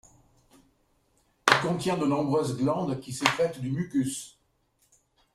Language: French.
Il contient de nombreuses glandes qui sécrètent du mucus.